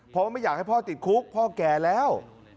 เพราะว่าไม่อยากให้พ่อติดคุกพ่อแก่แล้ว